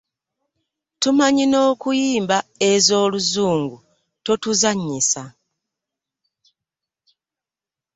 Tumanyi n'okuyimba ez'oluzungu totuzannyisa.